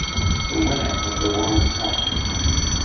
The winner of the world cup.